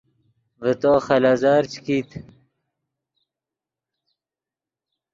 ڤے تو خلیزر چے کیت